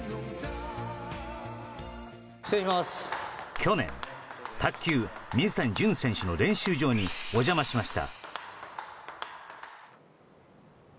去年、卓球、水谷隼選手の練習場にお邪魔しました。